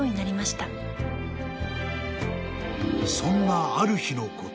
［そんなある日のこと］